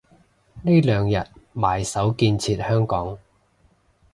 呢兩日埋首建設香港